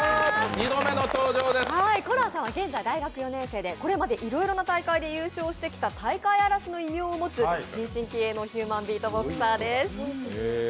ＣｏＬｏＡさんは現在大学２年生でこれまでいろいろな大会で優勝してきた大会荒らしの異名を持つ新進気鋭のヒューマンビートボクサーです。